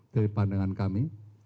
dari pandangan kami